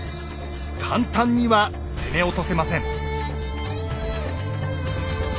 簡単には攻め落とせません。